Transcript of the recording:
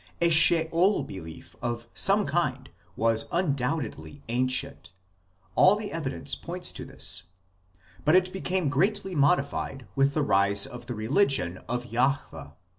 A Sheol belief of some kind was undoubtedly ancient ; all the evidence points to this ; but it became greatly modified with the rise of the religion of Jahwe.